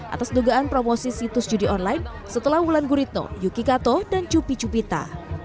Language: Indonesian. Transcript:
atas dugaan promosi situs judi online setelah wulan guritno yuki kato dan cupi cupita